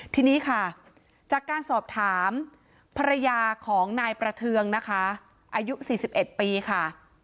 ทีนี้ค่ะจากการสอบถามภรรยาของนายประเทืองนะคะอายุ๔๑ปีค่ะ